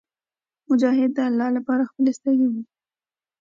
مجاهد د الله لپاره خپلې سترګې وړي.